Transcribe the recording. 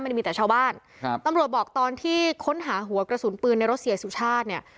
ได้มีแต่ชาวบ้านครับตำรวจบอกตอนที่ค้นหาหัวกระสุนปืนในรถเสียสุชาติเนี่ย